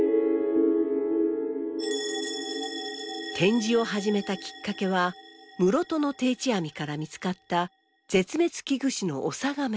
展示を始めたきっかけは室戸の定置網から見つかった絶滅危惧種のオサガメ。